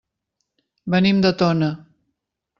Venim de Tona.